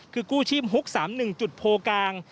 คือกู้ชีพฮุก๓๑จุดโพกลาง